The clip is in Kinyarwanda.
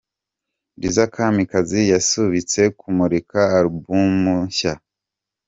Liza Kamikazi yasubitse kumurika alimbumu nshya